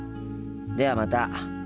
ではまた。